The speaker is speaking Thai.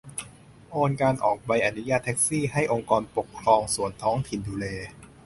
โอนการออกใบอนุญาตแท็กซี่ ให้องค์กรปกครองส่วนท้องถิ่นดูแล ?